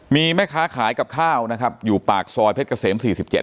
มีแม่ค้าขายกับข้าวนะครับอยู่ปากซอยเพชรเกษม๔๗